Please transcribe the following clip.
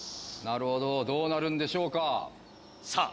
なるほどどうなるんでしょうかさあ